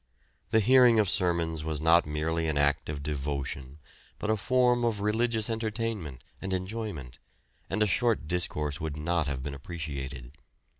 The hearing of sermons was not merely an act of devotion but a form of religious entertainment and enjoyment, and a short discourse would not have been appreciated.